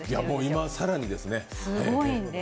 今更にですね。